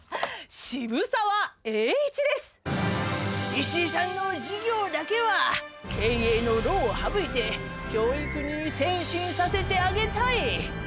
『石井さんの事業だけは経営の労を省いて教育に専心させてあげたい』」。